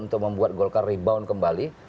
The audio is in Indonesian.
untuk membuat golkar rebound kembali